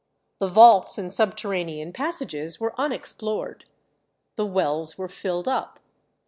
The vaults and subterranean passages were unexplored. The wells were filled up.